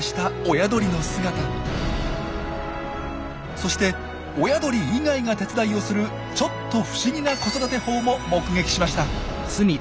そして親鳥以外が手伝いをするちょっと不思議な子育て法も目撃しました。